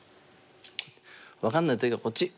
分かんない時はこっち。